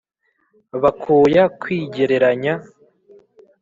bakoya kwigereranya